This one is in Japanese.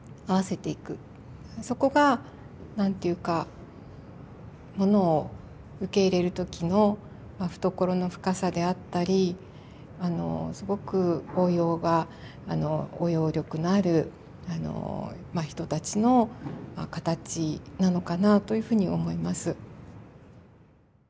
そこが何て言うかものを受け入れる時の懐の深さであったりすごく包容が包容力のある人たちの形なのかなというふうに思います。